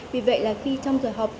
vì vậy là khi trong thời học